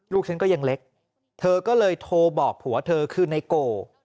ฉันก็ยังเล็กเธอก็เลยโทรบอกผัวเธอคือไนโก